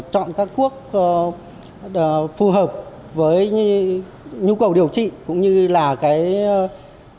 chọn các thuốc phù hợp với nhu cầu điều trị cũng như là cái tiềm năng kinh tế